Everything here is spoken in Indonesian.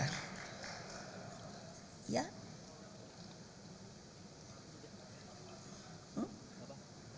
tidak ada ya